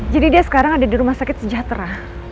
jadi dia sekarang ada di rumah sakit sejahtera